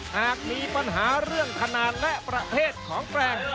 หากมีปัญหาเรื่องธนาและประเภทของแปลง